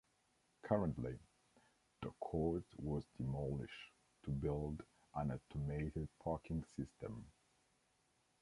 Currently the court was demolish to build an Automated Parking System.